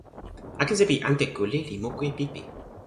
akesi pi ante kule li moku e pipi.